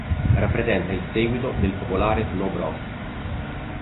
Rappresenta il seguito del popolare "Snow Bros".